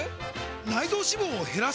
内臓脂肪を減らす！？